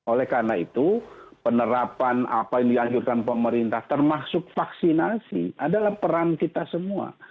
oleh karena itu penerapan apa yang dianjurkan pemerintah termasuk vaksinasi adalah peran kita semua